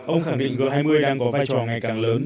ông khẳng định g hai mươi đang có vai trò ngày càng lớn